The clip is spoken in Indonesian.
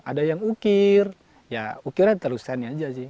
ada yang ukir ya ukirnya terusin aja sih